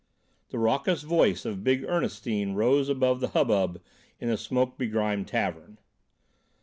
The raucous voice of big Ernestine rose above the hubbub in the smoke begrimed tavern.